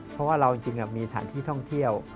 เพราะว่าเราจริงมีสถานที่ท่องเที่ยว